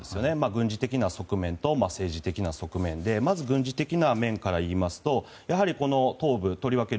軍事的な側面と政治的な側面でまず軍事的な面から言いますとやはり東部とりわけ